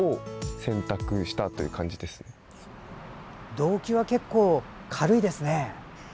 動機は結構軽いですね。